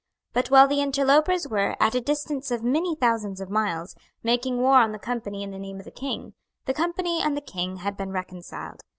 But while the interlopers were, at a distance of many thousands of miles, making war on the Company in the name of the King, the Company and the King had been reconciled.